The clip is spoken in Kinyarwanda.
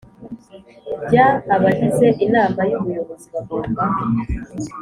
bya abagize Inama y Ubuyobozi bagomba